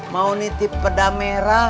mau nitip peda merah